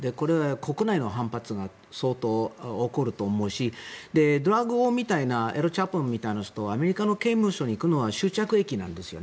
国内での反発が相当起こると思うとドラッグ王のエル・チャポみたいな人がアメリカの刑務所に行くのは終着駅なんですよね。